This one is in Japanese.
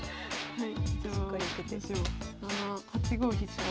はい。